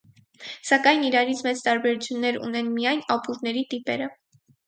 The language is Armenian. Սակայն իրարից մեծ տարբերություններ ունեն միայն ապուրների տիպերը։